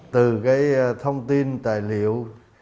từ cái thông tin tài liệu